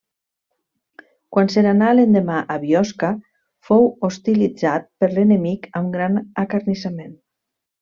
Quan se n'anà l'endemà a Biosca fou hostilitzat per l'enemic amb gran acarnissament.